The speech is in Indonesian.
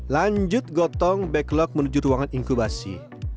lanjut gotong backlog menuju ruangan inkubasi